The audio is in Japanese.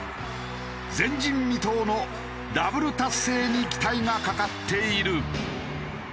前人未到のダブル達成に期待がかかっている。